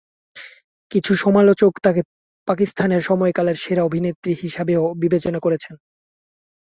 কিছু সমালোচক তাকে পাকিস্তানের সময়কালের সেরা অভিনেত্রী হিসাবেও বিবেচনা করেছেন।